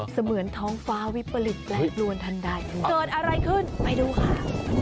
เหมือนท้องฟ้าวิปริตแปรปรวนทันใดเกิดอะไรขึ้นไปดูค่ะ